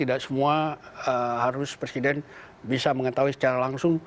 tidak semua harus presiden bisa mengetahui secara langsung